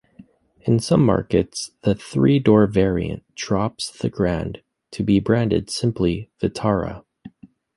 In some markets the three-door variant drops the "Grand" to be branded simply "Vitara".